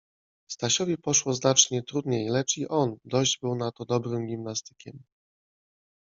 Stasiowi poszło znacznie trudniej, lecz i on dość był na to dobrym gimnastykiem.